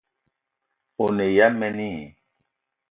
O ne ya mene i?